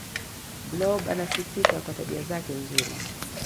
blob anasifika kwa tabia zake nzuri